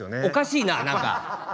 おかしいな何か！